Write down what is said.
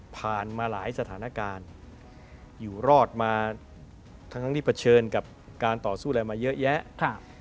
ผ่านมาหลายสถานการณ์อยู่รอดมาทั้งที่เผชิญกับการต่อสู้อะไรมาเยอะแยะ